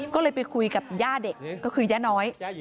ก็เลยไปคุยกับย่าเด็กก็คือย่าน้อย